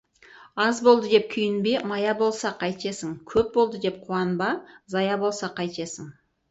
Аз болды деп күйінбе, мая болса, қайтесің, көп болды деп қуанба, зая болса, қайтесің.